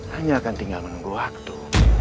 hanya akan tinggal menunggu waktu